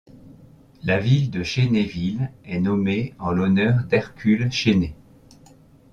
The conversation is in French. La ville de Chénéville est nommée en l'honneur d'Hercule Chéné.